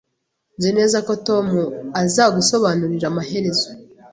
Nzi neza ko Tom azagusobanurira amaherezo